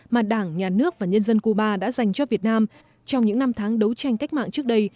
mà đảng nhà nước và nhân dân cuba đã dành cho việt nam trong những năm tháng đấu tranh cách mạng trước đây